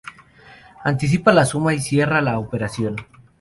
Anticipa la suma y se cierra la operación